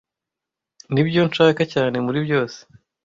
Nibyo nshaka cyane muri byose.